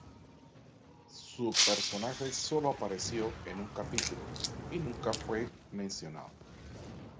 Su personaje sólo apareció en un capítulo y nunca más fue mencionado.